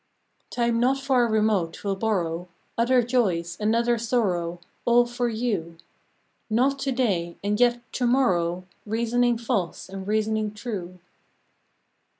Time not far remote will borrow Other joys, another sorrow, All for you: Not to day, and yet to morrow Reasoning false and reasoning true.